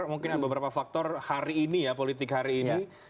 mungkin ada beberapa faktor politik hari ini